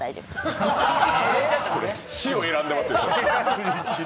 死を選んでますよ。